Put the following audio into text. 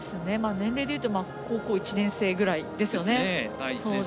年齢で言うと高校１年生ぐらいですよね。